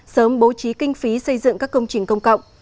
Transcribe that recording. sớm bố trí kinh phí xây dựng các công trình công cộng